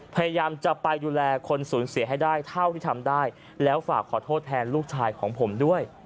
พยายามจะไปดูแลคนสูญเสียให้ได้เท่าที่ทำได้แล้วฝากขอโทษแทนลูกชายของผมด้วย